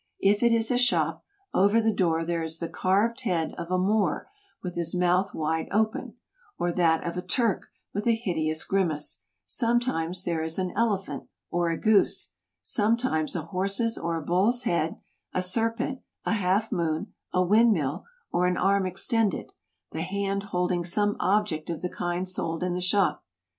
If it is a shop, over the door there is the carved head of a Moor with his mouth wide open, or that of a Turk with a hideous grimace; sometimes there is an elephant or a goose; sometimes a horse's or a bull's head, a serpent, a half moon, a wind mill, or an arm extended, the hand holding some object of the kind sold in the shop.